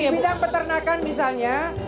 pada bidang peternakan misalnya